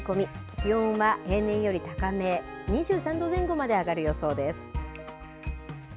気温は平年より高め、２３度前後まで上がる予想です。